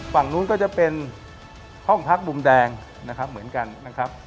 ฝั่งนู้นก็จะเป็นห้องพักมุมแดงนะครับเหมือนกันนะครับ